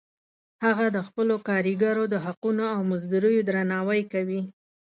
هغه د خپلو کاریګرو د حقونو او مزدوریو درناوی کوي